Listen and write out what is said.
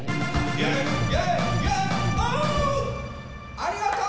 ありがとう！